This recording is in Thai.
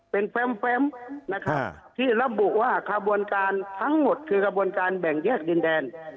เป็นแฟมนะครับที่ระบุว่าขบวนการทั้งหมดคือกระบวนการแบ่งแยกดินแดน